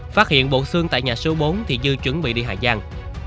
phát hiện bộ xương tại nhà số bốn thì dư chuẩn bị đi hà giang